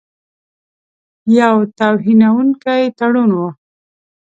یو توهینونکی تړون وو.